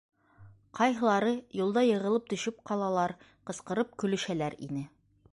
Ҡайһылары юлда йығылып төшөп ҡалалар, ҡысҡырышып көлөшәләр ине.